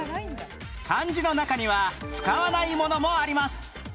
漢字の中には使わないものもあります